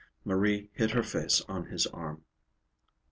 Marie hid her face on his arm.